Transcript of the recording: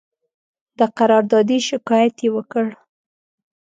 د قراردادي شکایت یې وکړ.